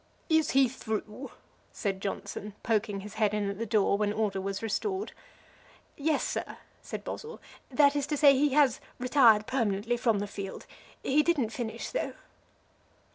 "Is he through?" said Johnson, poking his head in at the door when order was restored. "Yes, sir," said Boswell; "that is to say, he has retired permanently from the field. He didn't finish, though."